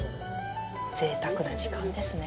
ぜいたくな時間ですね。